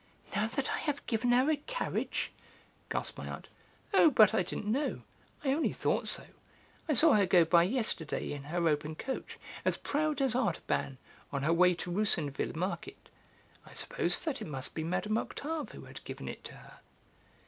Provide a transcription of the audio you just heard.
"Now that I have given her a carriage!" gasped my aunt. "Oh, but I didn't know; I only thought so; I saw her go by yesterday in her open coach, as proud as Artaban, on her way to Roussainville market. I supposed that it must be Mme. Octave who had given it to her."